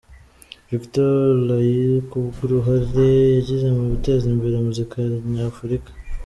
Victor Olaiya, kubw’uruhare yagize mu guteza imbere muzika nyafurika.